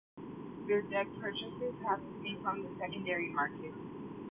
Their debt purchases have to be from the secondary markets.